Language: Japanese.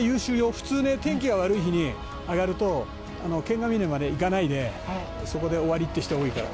普通ね天気が悪い日に上がると剣ヶ峰まで行かないでそこで終わりっていう人が多いから。